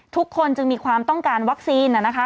ทุกคนจึงมีความต้องการวัคซีนนะคะ